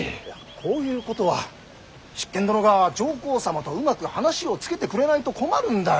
こういうことは執権殿が上皇様とうまく話をつけてくれないと困るんだよ。